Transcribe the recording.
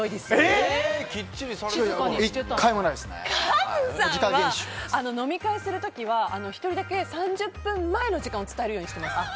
カズさんは飲み会する時は１人だけ３０分前の時間を伝えるようにしています。